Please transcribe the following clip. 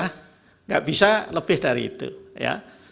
tidak bisa lebih dari itu ya